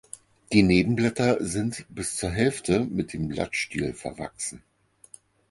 Die Nebenblätter sind bis zur Hälfte mit dem Blattstiel verwachsen.